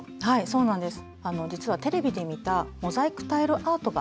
そうなんです。